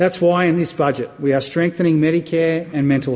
itulah mengapa dalam budjet ini kami memperkuat medicare dan perawatan mental